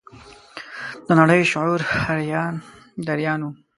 د نړۍ شعور اریان دریان و.